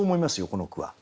この句は。